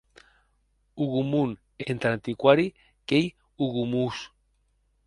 Hougomont entar antiquari qu’ei Hugomons.